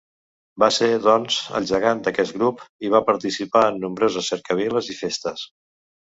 Va ser, doncs, el gegant d'aquest grup i va participar en nombroses cercaviles i festes.